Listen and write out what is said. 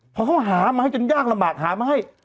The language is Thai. พอเขาหามาให้จนยากลำบากหามาให้